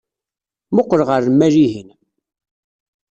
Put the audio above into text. Mmuqqel ɣer lmal-ihin.